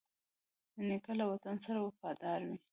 نیکه له وطن سره وفادار وي.